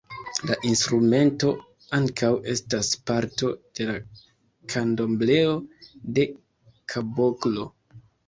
La instrumento ankaŭ estas parto de la Kandombleo-de-kaboklo.